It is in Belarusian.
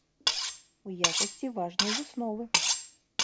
У якасці важнай высновы.